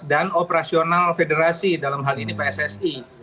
dan operasional federasi dalam hal ini pssi